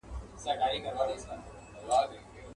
پر ټگانو چى يې جوړ طلا باران كړ.